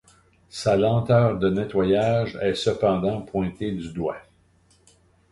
Sa lenteur de nettoyage est cependant pointée du doigt.